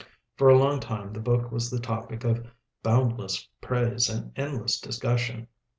For a long time the book was the topic of boundless praise and endless discussion.